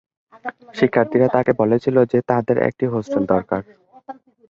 শিক্ষার্থীরা তাকে বলেছিল যে তাদের একটি হোস্টেল দরকার।